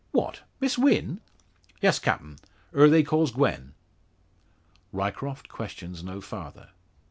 "What! Miss Wynn?" "Yes, captain; her they calls Gwen." Ryecroft questions no farther.